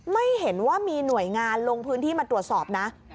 ไม่เห็นว่ามีหน่วยงานลงพื้นที่มาตรวจสอบนะ